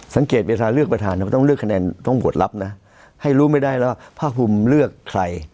เวลาเลือกประธานก็ต้องเลือกคะแนนต้องโหวตลับนะให้รู้ไม่ได้แล้วว่าภาคภูมิเลือกใคร